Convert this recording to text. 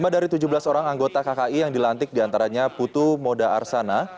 lima dari tujuh belas orang anggota kki yang dilantik diantaranya putu moda arsana